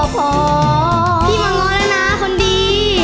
พี่มันงอนแล้วนะคนดี